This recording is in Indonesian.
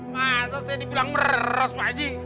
masa saya dibilang meres pak aji